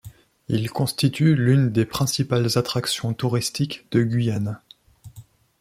Il constitue l'une des principales attractions touristiques de Guyane.